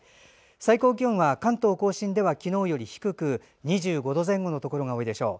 最高気温は、関東・甲信では昨日より低く２５度前後のところが多いでしょう。